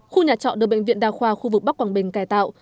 khu nhà trọ được bệnh viện đa khoa khu vực bắc quảng bình cài tạo